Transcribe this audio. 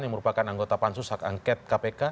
yang merupakan anggota pansus hak angket kpk